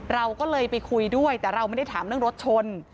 เราก็เลยไปคุยด้วยแต่เราไม่ได้ถามเรื่องรถชน